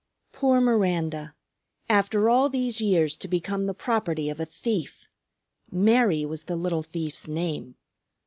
Poor Miranda! After all these years to become the property of a thief! Mary was the little thief's name.